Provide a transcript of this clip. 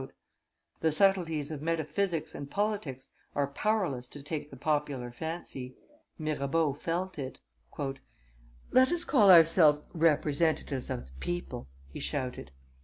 The subtleties of metaphysics and politics are powerless to take the popular fancy. Mirabeau felt it. "Let us call ourselves representatives of the people!" he shouted.